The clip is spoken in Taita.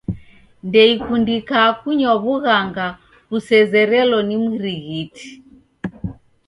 Ndeikundika kunywa w'ughanga kusezerelo ni mrighiti.